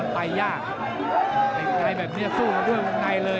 มันไปยากใครแบบนี้สู้กันด้วยว่าไงเลย